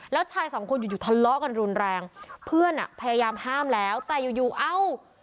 แล้วชายสองคนอยู่อยู่ทะเลาะกันรุนแรงเพื่อนอ่ะพยายามห้ามแล้วแต่อยู่อยู่เอ้า